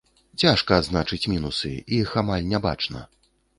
Цяжка адзначыць мінусы, іх амаль не бачна.